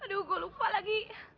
aduh gue lupa lagi